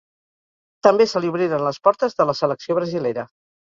També se li obriren les portes de la selecció brasilera.